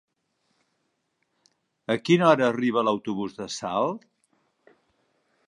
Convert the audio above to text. A quina hora arriba l'autobús de Salt?